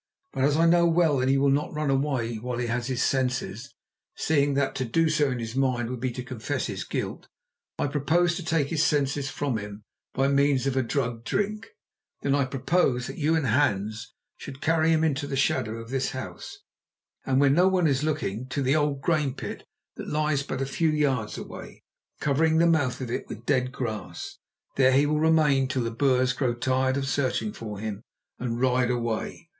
But as I know well that he will not run away while he has his senses, seeing that to do so in his mind would be to confess his guilt, I propose to take his senses from him by means of a drugged drink. Then I propose that you and Hans should carry him into the shadow of this house, and when no one is looking, to the old grain pit that lies but a few yards away, covering the mouth of it with dead grass. There he will remain till the Boers grow tired of searching for him and ride away.